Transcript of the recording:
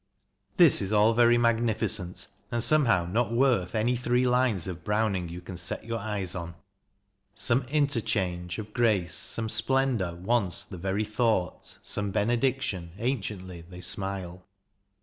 This is all very magnificent, and somehow not worth any three lines of Browning you can set your eyes on: Some interchange Of grace, some splendour once the very thought, Some benediction anciently they smile.